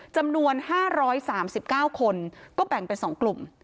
จำนวน๕๓๙คนก็แบ่งเป็น๒กลุ่ม